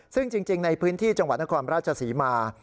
ซึ่งจริงในพื้นที่จังหวัดนครราชศรีมา